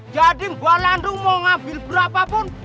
jadi mbak landung mau ngambil berapapun